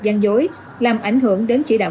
gian dối làm ảnh hưởng đến chỉ đạo